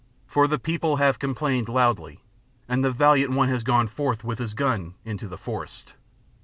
For the people have complained loudly, and the valiant one has gone forth with his gun into the forest.